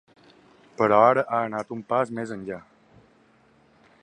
Però ara ha anat un pas més enllà.